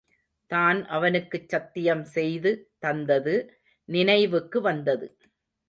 தான் அவனுக்குச் சத்தியம் செய்து தந்தது நினைவுக்கு வந்தது.